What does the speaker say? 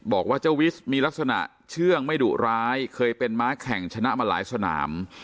บอกว่าเจ้าวิสมีลักษณะเชื่องไม่ดุร้ายเคยเป็นม้าแข่งชนะมาหลายสนาม